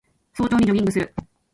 早朝にジョギングする